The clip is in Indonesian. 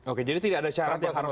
oke jadi tidak ada syarat yang harus